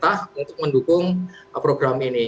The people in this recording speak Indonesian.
kemudian komitmen dari pemerintah untuk mendukung program ini